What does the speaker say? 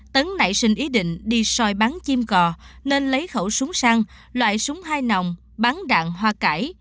tấn nảy sinh ý định đi soi bán chim cò nên lấy khẩu súng săn loại súng hai nòng bắn đạn hoa cải